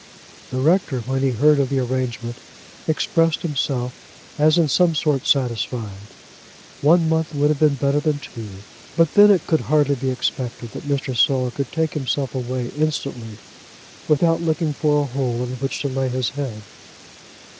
The rector, when he heard of the arrangement, expressed himself as in some sort satisfied. One month would have been better than two, but then it could hardly be expected that Mr. Saul could take himself away instantly, without looking for a hole in which to lay his head.